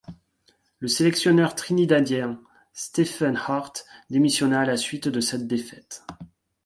Le sélectionneur trinidadien Stephen Hart démissionna à la suite de cette défaite.